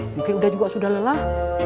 mungkin udah juga sudah lelah